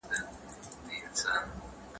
څېړونکي د داستان منځپانګه سمه تحلیل کړه.